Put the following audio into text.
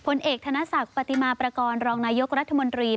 ผลเอกธนศักดิ์ปฏิมาประกอบรองนายกรัฐมนตรี